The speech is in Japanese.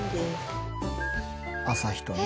朝日とね。